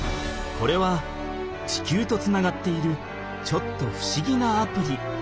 これは地球とつながっているちょっとふしぎなアプリ。